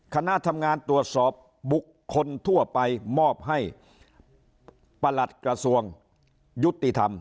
คณะทำงานตรวจสอบบุคคลทั่วไปมอบให้ประหลัดกระทรวงยุติธรรม